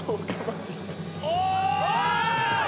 お！